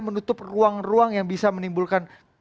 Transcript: menutup ruang ruang yang bisa menimbulkan